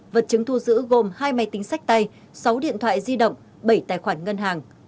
vật chứng thu giữ gồm hai máy tính sách tay sáu điện thoại di động bảy tài khoản ngân hàng